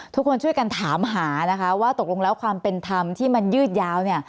ทุกคนช่วยกันถามหานะคะว่าตกลงแล้วความเป็นธรรมที่มันยืดยาว